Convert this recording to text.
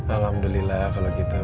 alhamdulillah kalau gitu